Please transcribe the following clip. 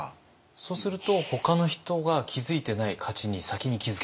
そうするとほかの人が気づいてない価値に先に気づける？